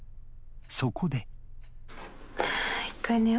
そこで。